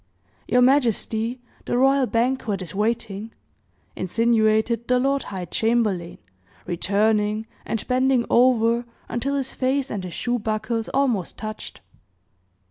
"Your majesty, the royal banquet is waiting," insinuated the lord high chamberlain, returning, and bending over until his face and his shoe buckles almost touched.